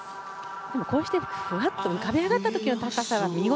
でも、ふわっと浮かび上がった時の高さは見事。